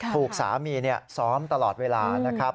ถูกสามีซ้อมตลอดเวลานะครับ